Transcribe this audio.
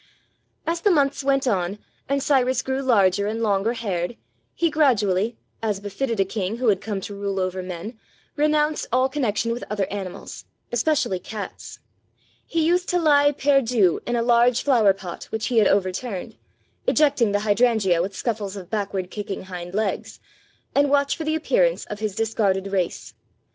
»,. As the months went on and Cyrus grew larger and longer haired, he gradually, as befitted a king who had come to rule over men, renounced all con nexion with other animals, especially cats. He used to lie perdu in a large flower pot which he had over turned (ejecting the hydrangea with scuffles of back ward kicking hind legs), and watch for the appearance of his discarded race.